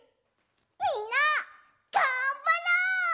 みんながんばろう！